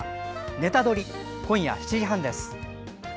「ネタドリ！」、今夜７時半です。